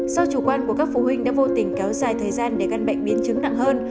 do chủ quan của các phụ huynh đã vô tình kéo dài thời gian để căn bệnh biến chứng nặng hơn